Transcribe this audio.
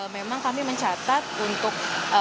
memang kami mencatat untuk